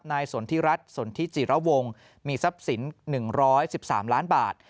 สนทิรัฐสนทิจิระวงมีทรัพย์สิน๑๑๓ล้านบาท